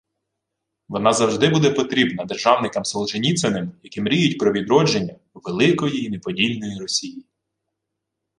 Вона завжди буде потрібна державникам-солженіциним, які мріють про відродження «великої й неподільної Росії»